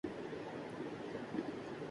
پنپ سکا نہ خیاباں میں لالۂ دل سوز